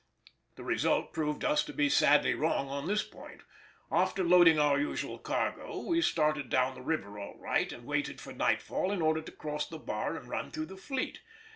The result proved us to be sadly wrong on this point. After loading our usual cargo we started down the river all right, and waited for nightfall in order to cross the bar and run through the fleet.